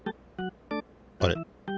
あれ？